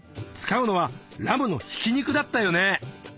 使うのはラムのひき肉だったよね。